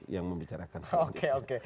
yang membicarakan oke oke